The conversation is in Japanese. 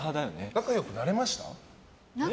仲良くなれました？